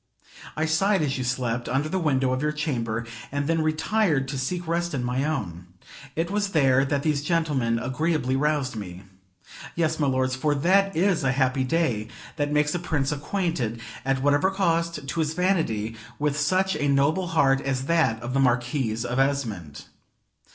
I sighed as you slept, under the window of your chamber, and then retired to seek rest in my own. It was there that these gentlemen agreeably roused me. Yes, milords, for that is a happy day that makes a Prince acquainted, at whatever cost to his vanity, with such a noble heart as that of the Marquis of Esmond.